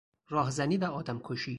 راهزنی و آدمکشی